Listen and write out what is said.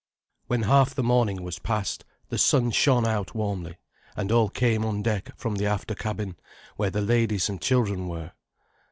When half the morning was past, the sun shone out warmly, and all came on deck from the after cabin, where the ladies and children were.